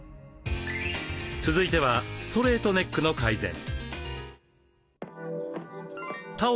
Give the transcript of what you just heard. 続いてはストレートネックの改善。